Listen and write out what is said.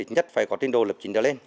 nhất phải có tinh đồ lập trình ra lên